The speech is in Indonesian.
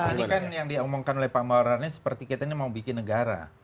ini kan yang diomongkan oleh pak marani seperti kita ini mau bikin negara